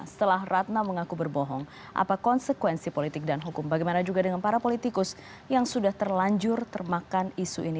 setelah ratna mengaku berbohong apa konsekuensi politik dan hukum bagaimana juga dengan para politikus yang sudah terlanjur termakan isu ini